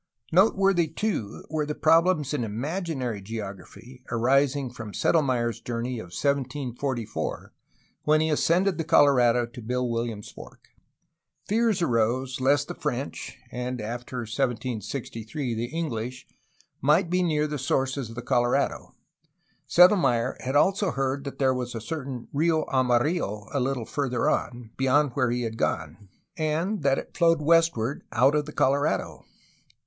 Noteworthy, too, were the problems in imaginary geography arising from Sedel mayr's journey of 1744, when he ascended the Colorado to Bill Williams Fork. Fears arose lest the French (and after 1763 the English) might be near the sources of the Colorado. Sedelmayr had also heard that there was a certain Rio Amarillo '*a little farther on,'' beyond where he had gone, and that it flowed westward out of the Colorado.